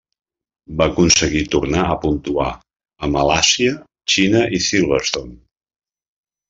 Va aconseguir tornar a puntuar en Malàisia, Xina i Silverstone.